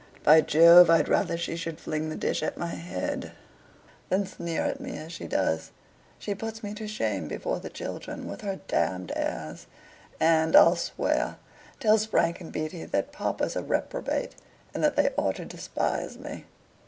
By Jove! I'd rather she should fling the dish at my head than sneer at me as she does. She puts me to shame before the children with her d d airs; and, I'll swear, tells Frank and Beaty that papa's a reprobate, and that they ought to despise me."